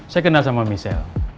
saya kenal sama michelle